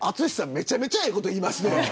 めちゃくちゃいいこと言いますね